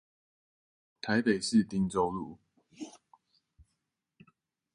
台北市汀州路